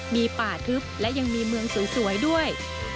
มีป่าทึบและยังมีเมืองสวยด้วย